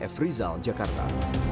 f rizal jakarta